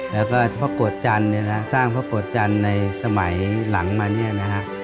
แล้วก็พระกวดจันทร์เนี่ยนะครับสร้างพระกวดจันทร์ในสมัยหลังมาเนี่ยนะครับ